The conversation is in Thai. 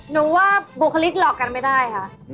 หนูว่าบุคลิกหลอกกันไม่ได้ค่ะ